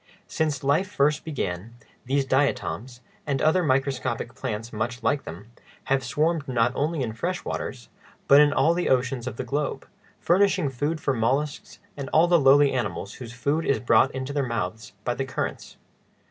Since life first began, these diatoms, and other microscopic plants much like them, have swarmed not only in the fresh waters, but in all the oceans of the globe, furnishing food for mollusks and all the lowly animals whose food is brought into their mouths by the currents.